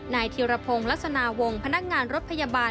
ธีรพงศ์ลักษณะวงศ์พนักงานรถพยาบาล